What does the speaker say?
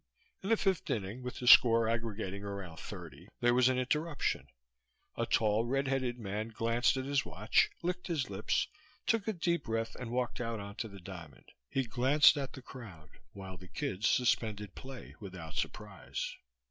In the fifth inning, with the score aggregating around thirty, there was an interruption. A tall, red headed man glanced at his watch, licked his lips, took a deep breath and walked out onto the diamond. He glanced at the crowd, while the kids suspended play without surprise.